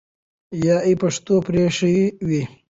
یا ئی پښتو پرېښې وي